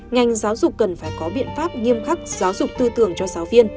ngành giáo dục cần phải có biện pháp nghiêm khắc giáo dục tư tưởng cho giáo viên